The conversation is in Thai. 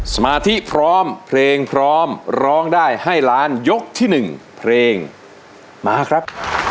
สมาธิพร้อมเพลงพร้อมร้องได้ให้ล้านยกที่๑เพลงมาครับ